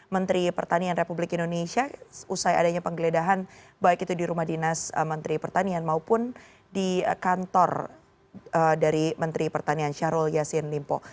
menteri pertanian republik indonesia usai adanya penggeledahan baik itu di rumah dinas menteri pertanian maupun di kantor dari menteri pertanian syahrul yassin limpo